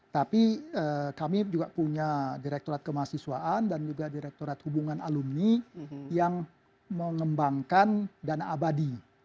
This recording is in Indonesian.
tapi kami juga punya direktorat kemahasiswaan dan juga direkturat hubungan alumni yang mengembangkan dana abadi